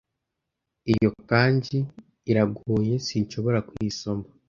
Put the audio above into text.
Iyo kanji iragoye, sinshobora kuyisoma.